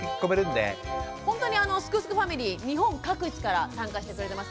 ほんとにすくすくファミリー日本各地から参加してくれてますから。